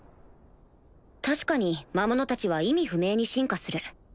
確かに魔物たちは意味不明に進化する